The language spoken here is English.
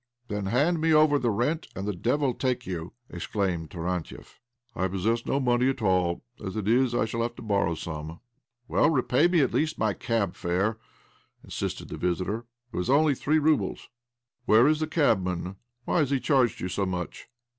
Then hand me over the rent, and the devil take you !" exclaimed Tarantiev. " I possess no money at all. As it is, I ishall have to borrow some." " Well, repay me at least my cab fare," insisted the visitor. " It was only three roubles." "Where is the cabman? Why has he charged you so much